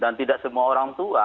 dan tidak semua orang tua